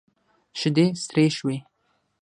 شيدې سرې شوې.